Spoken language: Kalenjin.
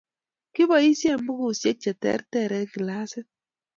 Kiboisien bukuisiek che ter eng' kilasit